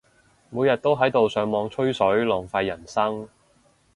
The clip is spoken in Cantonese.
每日都喺度上網吹水，浪費人生